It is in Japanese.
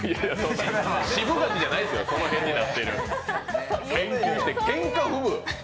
渋柿じゃないんですよ、その辺になってる。